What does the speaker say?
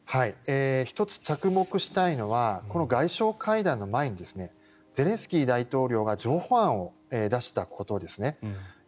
１つ、着目したいのは外相会談の前にゼレンスキー大統領が譲歩案を出したことです。